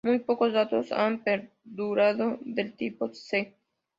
Muy pocos datos han perdurado del "Tipo C".